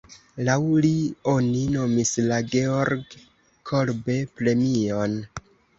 Laŭ li oni nomis la Georg-Kolbe-premion.